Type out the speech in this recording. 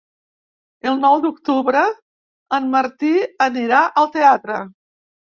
El nou d'octubre en Martí anirà al teatre.